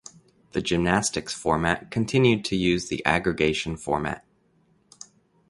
The gymnastics format continued to use the aggregation format.